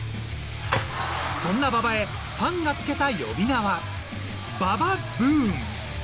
そんな馬場へ、ファンがつけた呼び名は、馬場ＢＯＯＮ。